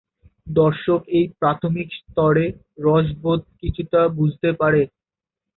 দর্শক এই প্রাথমিক স্তরে রসবোধ কিছুটা বুঝতে পারে।